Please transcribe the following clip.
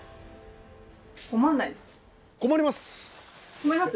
困ります。